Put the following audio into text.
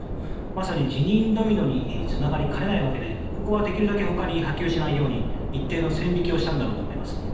まさに辞任ドミノにつながりかねないわけでここはできるだけ他に波及しないように一定の線引きをしたんだろうと思います。